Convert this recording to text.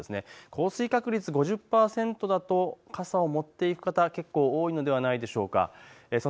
降水確率５０％だと傘を持っていく方、多いのではないかと思います。